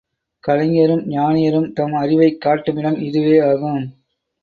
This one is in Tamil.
கலைஞரும், ஞானியரும் தம் அறிவைக் காட்டுமிடம் இதுவே ஆகும்.